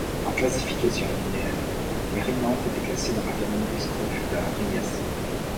En classification linnéenne, les rhinanthes étaient classés dans la famille des Scrofulariacées.